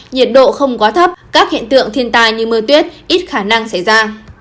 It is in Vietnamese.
nhiệt độ không quá thấp các hiện tượng thiên tai như mưa tuyết ít khả năng xảy ra